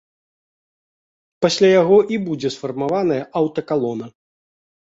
Пасля яго і будзе сфармаваная аўтакалона.